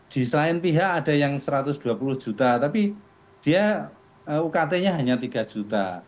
di selain pihak ada yang satu ratus dua puluh juta tapi dia ukt nya hanya tiga juta